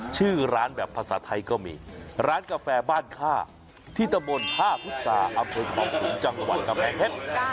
ชื่อร้านแบบภาษาไทยก็มีร้านกาแฟบ้านค่าที่ตะบนท่าพุษาอำเภอคลองขุนจังหวัดกำแพงเพชร